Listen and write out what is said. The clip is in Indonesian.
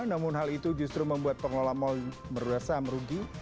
namun hal itu justru membuat pengelola mal merasa merugi